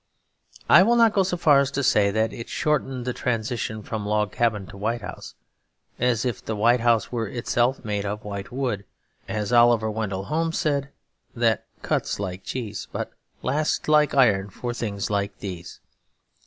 I will not go so far as to say that it shortened the transition from Log Cabin to White House; as if the White House were itself made of white wood (as Oliver Wendell Holmes said), 'that cuts like cheese, but lasts like iron for things like these.'